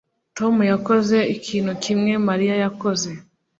Tom yakoze ikintu kimwe Mariya yakoze